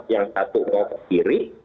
yang satu ke kiri